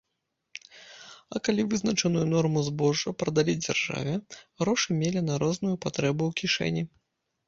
А калі вызначаную норму збожжа прадалі дзяржаве, грошы мелі на розную патрэбу ў кішэні.